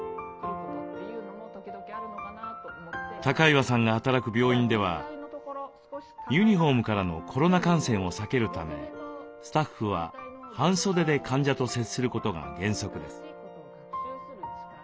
高岩さんが働く病院ではユニフォームからのコロナ感染を避けるためスタッフは半袖で患者と接することが原則です。